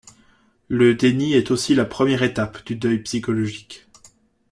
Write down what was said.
Le déni est aussi la première étape du deuil psychologique.